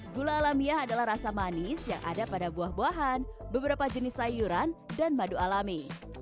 gula alamiah adalah rasa manis yang ada pada buah buahan beberapa jenis sayuran dan madu alami